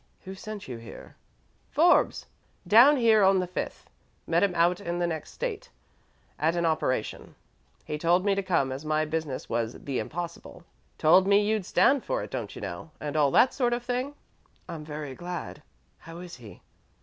Who sent you here?" "Forbes. Down here on the fifth. Met him out in the next State, at an operation. He told me to come, as my business was the impossible. Told me you'd stand for it, don't you know, and all that sort of thing?" "I'm very glad. How is he?"